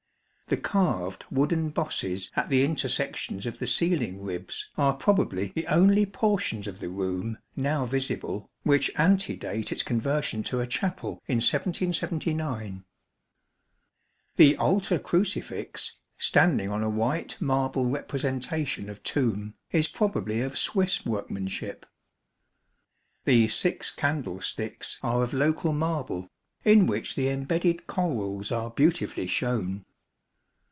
The carved wooden bosses at the intersections of the ceiling ribs are probably the only portions of the room, now visible, which antedate its conversion to a chapel in 1779. The altar crucifix, standing on a white marble represen tation of tomb, is probably of Swiss workmanship. The six candlesticks are of local marble, in which the embedded corals are beautifully shown.